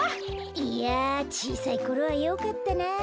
いやちいさいころはよかったな。